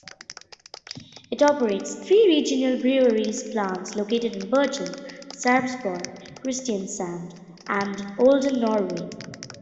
It operates three regional breweries plants located in Bergen, Sarpsborg, Kristiansand and Olden, Norway.